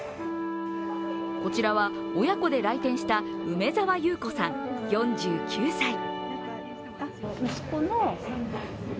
こちらは親子で来店した梅澤裕子さん４９歳。